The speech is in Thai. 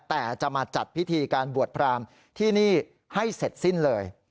แต่จะมาจัดพิธีการบวชพรามที่นี่ให้เสร็จสิ้นเลย